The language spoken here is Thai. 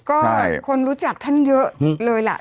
ก็คนรู้จักท่านเยอะเลยล่ะ